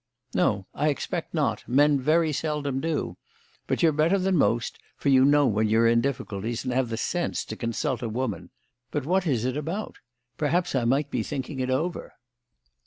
"No, I expect not. Men very seldom do. But you're better than most, for you know when you are in difficulties and have the sense to consult a woman. But what is it about? Perhaps I might be thinking it over."